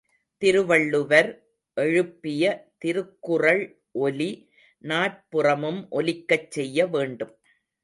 திருவள்ளுவர் எழுப்பிய திருக்குறள் ஒலி நாற்புறமும் ஒலிக்கச் செய்ய வேண்டும்.